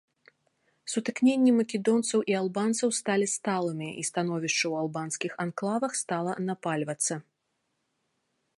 Сутыкненні македонцаў і албанцаў сталі сталымі, і становішча ў албанскіх анклавах стала напальвацца.